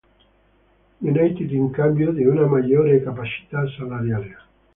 United in cambio di una maggiore capacità salariale.